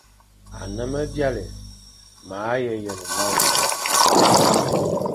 Ane me byalé, ma he yen nale,